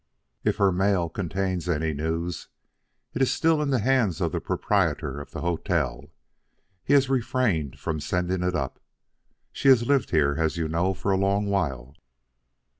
If her mail contains any news, it is still in the hands of the proprietor of the hotel. He has refrained from sending it up. She has lived here, as you know, for a long while."